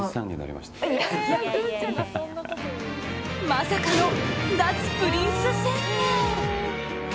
まさかの脱プリンス宣言。